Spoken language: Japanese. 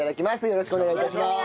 よろしくお願いします。